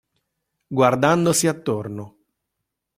Guardandosi attorno.